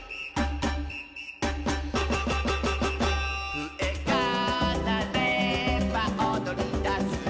「ふえがなればおどりだす」